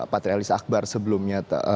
patrialis akbar sebelumnya